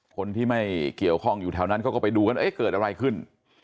คนที่ไม่เกี่ยวข้องอยู่แถวนั้นเขาก็ไปดูกันเอ๊ะเกิดอะไรขึ้น